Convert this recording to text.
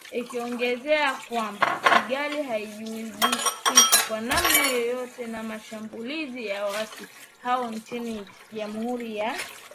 Ikiongezea kwamba Kigali haijihusishi kwa namna yoyote na mashambulizi ya waasi hao nchini Jamhuri ya kidemokrasia ya Kongo.